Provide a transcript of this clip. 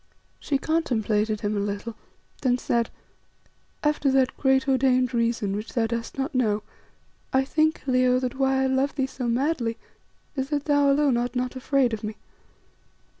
She contemplated him a little, then said "After that great ordained reason which thou dost not know, I think, Leo, that why I love thee so madly is that thou alone art not afraid of me.